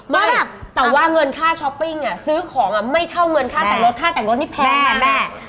ไม่แต่ว่าเงินค่าช้อปปิ้งซื้อของไม่เท่าเงินค่าแต่งรถค่าแต่งรถนี่แพงแม่